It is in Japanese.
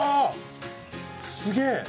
すげえ。